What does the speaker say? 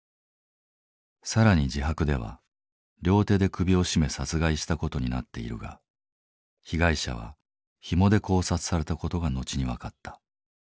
更に自白では両手で首を絞め殺害した事になっているが被害者はひもで絞殺された事が後に分かった。